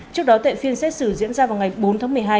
trước đó tệ phiên xét xử diễn ra vào ngày bốn tháng một mươi hai